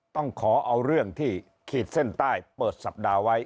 ต้องขอเอาเรื่องที่ขีดเส้นใต้เปิดสัปดาห์ไว้